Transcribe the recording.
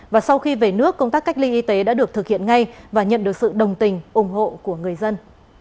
và sau khi về nước công tác cách ly y tế đã được thực hiện ngay và nhận được sự đồng tình ủng hộ của người dân